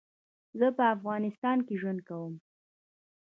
زه په افغانستان کي ژوند کوم